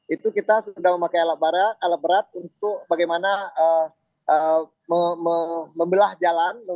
itu kita sudah memakai alat berat untuk bagaimana membelah jalan